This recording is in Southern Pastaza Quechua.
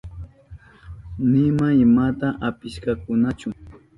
Nima imata apishkakunachu.